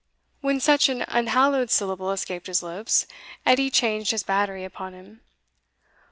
When such an unhallowed syllable escaped his lips, Edie changed his battery upon him.